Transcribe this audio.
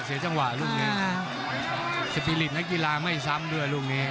เสียจังหวะสภิษนกีฬาไม่ซ้ำด้วยลูกนี้